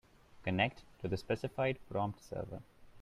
Connect to the specified prompt server.